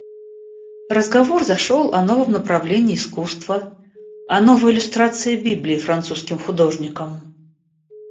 Разговор зашел о новом направлении искусства, о новой иллюстрации Библии французским художником.